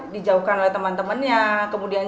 dijauhkan oleh teman temannya kemudian